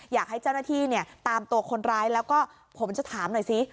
อยากให้เจ้าหน้าที่เนี่ยตามตัวคนร้ายแล้วก็ผมจะถามหน่อยสิ